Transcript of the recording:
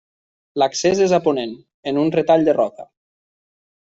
L'accés és a ponent, en un retall de roca.